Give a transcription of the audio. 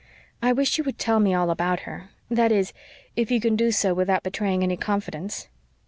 "I wish you would tell me all about her that is, if you can do so without betraying any confidence."